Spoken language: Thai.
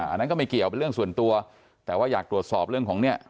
อันนั้นก็ไม่เกี่ยวเป็นเรื่องส่วนตัวแต่ว่าอยากตรวจสอบเรื่องของเนี่ย